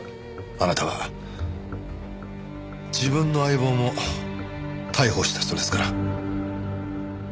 あなたは自分の相棒も逮捕した人ですから。